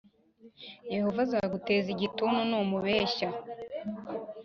Yehova azaguteza igituntu numubeshya